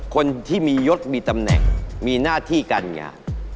คนที่มียศมีตำแหน่งมีหน้าที่การงาน